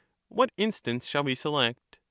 What instance shall we select ?